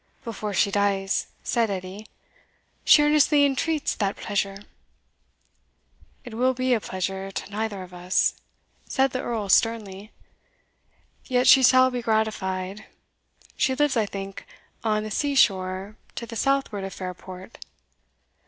"Before she dies," said Edie, "she earnestly entreats that pleasure." "It will be a pleasure to neither of us," said the Earl, sternly, "yet she shall be gratified. She lives, I think, on the sea shore to the southward of Fairport?"